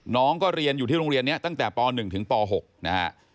น้องก็เรียนอยู่ที่โรงเรียนนี้ตั้งแต่ป๑ถึงป๖นะฮะ